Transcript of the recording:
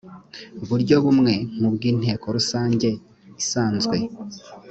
buryo bumwe nk’ubw’inteko rusange isanzwe